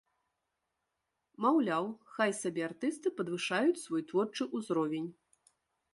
Маўляў, хай сабе артысты падвышаюць свой творчы ўзровень.